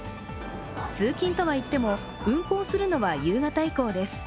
通勤とはいっても、運航するのは夕方以降です。